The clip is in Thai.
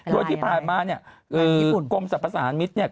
โดยที่ผ่านมากรมสรรพสารมิตร